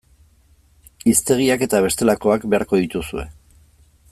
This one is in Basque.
Hiztegiak eta bestelakoak beharko dituzue.